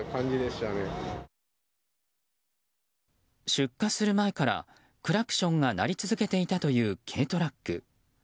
出火する前からクラクションが鳴り続けていたという軽トラック。